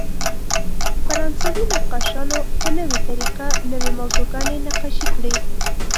فرانسوي نقاشانو په نوې طریقه نوې موضوعګانې نقاشي کړې.